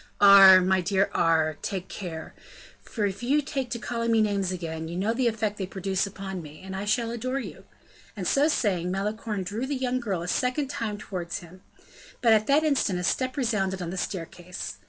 "Aure, my dear Aure, take care! if you take to calling me names again, you know the effect they produce upon me, and I shall adore you." And so saying, Malicorne drew the young girl a second time towards him. But at that instant a step resounded on the staircase.